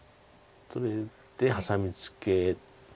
それでハサミツケ。